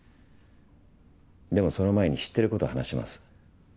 でもその前に知ってること話します。